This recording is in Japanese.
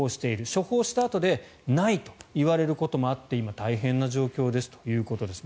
処方したあとでないと言われることもあって今、大変な状況ですということです。